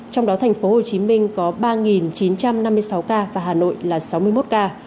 trong đó thành phố hồ chí minh có ba chín trăm năm mươi sáu ca và hà nội là sáu mươi một ca